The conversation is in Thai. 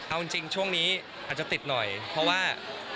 เอาจริงช่วงนี้อาจจะติดหน่อยเพราะว่า